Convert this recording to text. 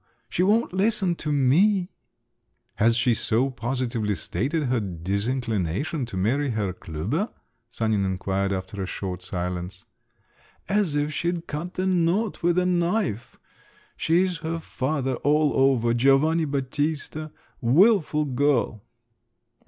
She won't listen to me!" "Has she so positively stated her disinclination to marry Herr Klüber?" Sanin inquired after a short silence. "As if she'd cut the knot with a knife! She's her father all over, Giovanni Battista! Wilful girl!"